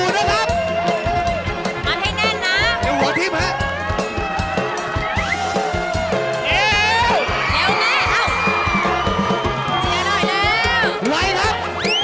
ตอนนี้นะครับ